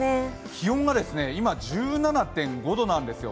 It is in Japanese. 気温が今１７．５度なんですよ。